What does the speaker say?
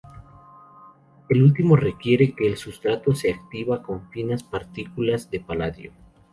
El último requiere que el sustrato se activa con finas partículas de paladio.